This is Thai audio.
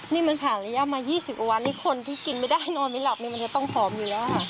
นี่มันผ่านระยะมายี่สิบกว่านี่คนที่กินไม่ได้นอนไม่หลับนี่มันยังต้องพร้อมอยู่แล้วอ่ะ